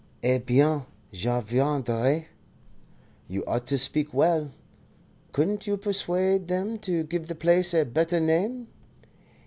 "Eh bien, je viendrai. You ought to speak well. Couldn't you persuade them to give the place a better name?